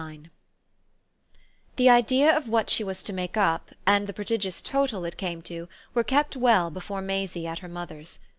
IX The idea of what she was to make up and the prodigious total it came to were kept well before Maisie at her mother's.